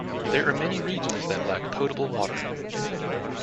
There are many regions that lack potable water.